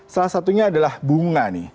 salah satunya adalah bunga nih